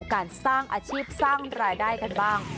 การสร้างอาชีพสร้างรายได้กันบ้าง